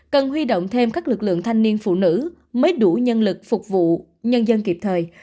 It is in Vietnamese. cần huy động thêm các lực lượng thanh niên phụ nữ mới đủ nhân lực phục vụ nhân dân kịp thời